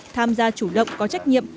tham gia chủ động có trách nhiệm